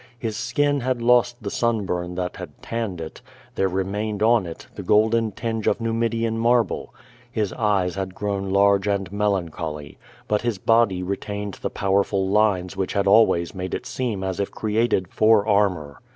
His skin had lost the sun bum that had tanned it. There remained on it the golden tinge of Xumidian marble. His eyes had grown large and melancholy. But his body retained the powerful lines which had always made it seem as if created for armor.